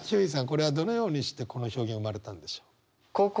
これはどのようにしてこの表現生まれたんでしょう？